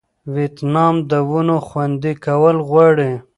ویتنام د ونو خوندي کول غواړي.